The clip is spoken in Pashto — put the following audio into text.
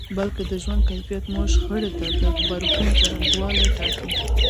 بلکې د ژوند کيفیت مو شخړې ته د غبرګون څرنګوالی ټاکي.